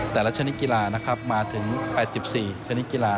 แต่ละชนิดกีฬามาถึง๘๔ชนิดกีฬา